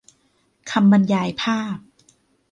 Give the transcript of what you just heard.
คำบรรยายภาพ